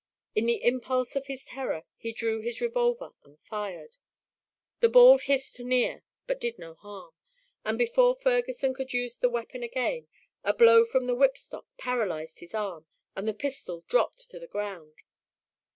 In the impulse of his terror, he drew his revolver and fired. The ball hissed near, but did no harm, and before Ferguson could use the weapon again, a blow from the whipstock paralyzed his arm and the pistol dropped to the ground.